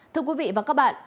thưa quý vị và các bạn